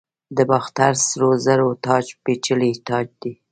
د باختر سرو زرو تاج پیچلی تاج دی